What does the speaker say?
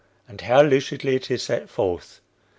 and how lucidly it is set forth!